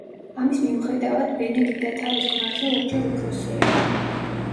ამის მიუხედავად, ბენედიტა თავის ქმარზე ორჯერ უფროსი იყო.